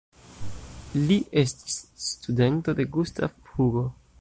Li estis studento de Gustav Hugo.